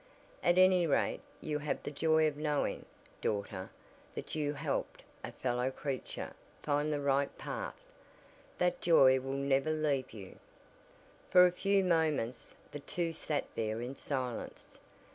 "At any rate you have the joy of knowing, daughter, that you helped a fellow creature find the right path. That joy will never leave you." For a few moments the two sat there in silence.